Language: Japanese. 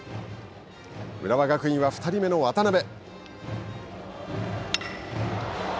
浦和学院は２人目の渡邊。